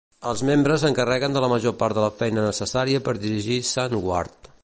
Els membres s'encarreguen de la major part de la feina necessària per dirigir Sunward.